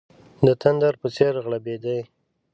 د تندر په څېر غړمبېدی.